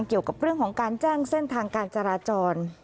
เกี่ยวกับเรื่องของการแจ้งเส้นทางการจราจร